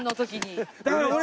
だから俺。